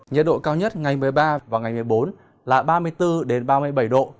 nhiệt độ cao nhất ngày một mươi ba và ngày một mươi bốn là ba mươi bốn ba mươi bảy độ